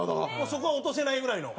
そこは落とせないぐらいの。